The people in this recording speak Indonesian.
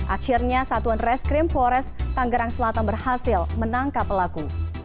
akhirnya satuan reskrim polres tanggerang selatan berhasil menangkap pelaku